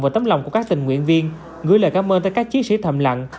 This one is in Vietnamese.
và tấm lòng của các tình nguyện viên gửi lời cảm ơn tới các chiến sĩ thầm lặng